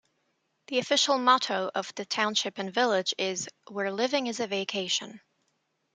The official motto of the township and village is "Where living is a vacation".